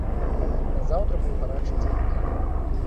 Назаўтра быў гарачы дзень.